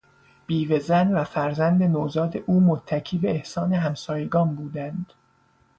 بیوه زن و فرزند نوزاد او متکی به احسان همسایگان بودند.